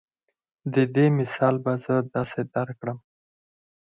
د دې مثال به زۀ داسې درکړم